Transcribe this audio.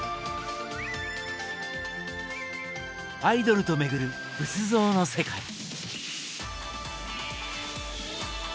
「アイドルと巡る仏像の世界」。